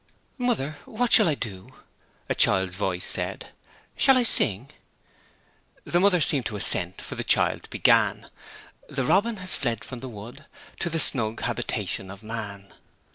'Mother, what shall I do?' a child's voice said. 'Shall I sing?' The mother seemed to assent, for the child began 'The robin has fled from the wood To the snug habitation of man.'